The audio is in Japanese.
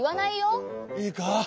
いいか。